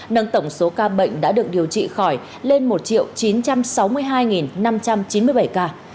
nâng tổng số ca bệnh đã được điều trị khỏi lên một chín trăm sáu mươi hai năm trăm chín mươi bảy ca